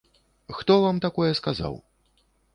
Хто вам такое сказаў?